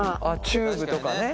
チューブとかね。